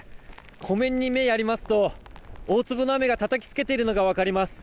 湖面に目をやりますと大粒の雨がたたきつけているのが分かります。